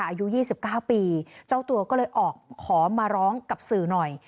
อายุ๒๙ปีเจ้าตัวก็เลยออกขอมาร้องกับสื่อหน่อย